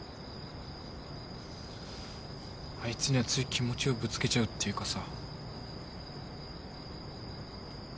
あいつにはつい気持ちをぶつけちゃうっていうかさ。